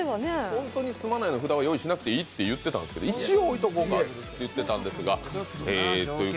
本当に「住まない」の札は用意しなくていいって言ってたんですけど一応置いておこうかと言ってたんですが。